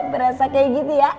berasa kayak gitu ya